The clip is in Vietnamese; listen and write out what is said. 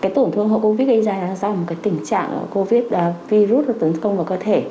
tổn thương hậu covid gây ra do một tình trạng covid virus tấn công vào cơ thể